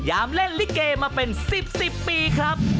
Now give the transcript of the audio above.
ยามเล่นลิเกมาเป็นสิบปีครับ